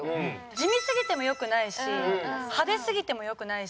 地味すぎてもよくないし派手すぎてもよくないし。